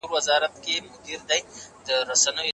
ډاکټره د لوړ ږغ سره پاڼه ړنګه کړې وه.